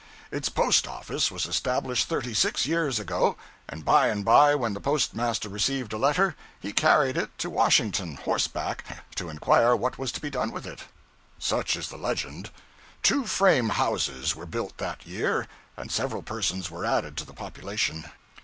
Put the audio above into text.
Its post office was established thirty six years ago; and by and by, when the postmaster received a letter, he carried it to Washington, horseback, to inquire what was to be done with it. Such is the legend. Two frame houses were built that year, and several persons were added to the population.